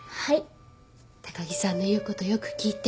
高木さんの言うことよく聞いて。